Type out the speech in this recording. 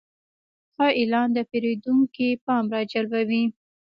ښه اعلان د پیرودونکي پام راجلبوي.